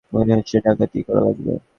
মনে হচ্ছে, ডাকাতিই করা লাগবে।